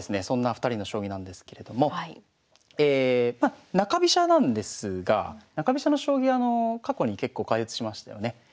そんな２人の将棋なんですけれどもまあ中飛車なんですが中飛車の将棋過去に結構解説しましたよね。